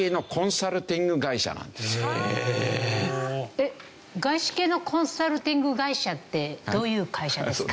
えっ外資系のコンサルティング会社ってどういう会社ですか？